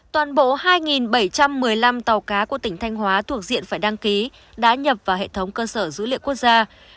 toàn bộ hai bảy trăm một mươi năm tàu cá của tỉnh thanh hóa thuộc diện phải đăng ký đã nhập vào hệ thống cơ sở dữ liệu quốc gia